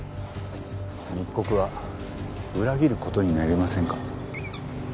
密告は裏切る事になりませんか？